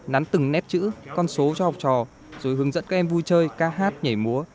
nắn từng nét chữ con số cho học trò rồi hướng dẫn các em vui chơi ca hát nhảy múa